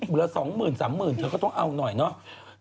เหลือ๒๓๐๐๐เธอก็ต้องเอาหน่อยเนาะ